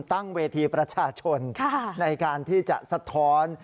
ตั้งเวทีประชาชนในการที่จะสะท้อน